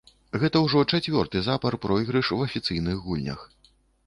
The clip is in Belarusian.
Гэта ўжо чацвёрты запар пройгрыш у афіцыйных гульнях.